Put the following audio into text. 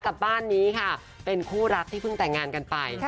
กับบ้านนี้ค่ะเป็นคู่รักที่เพิ่งแต่งงานกันไป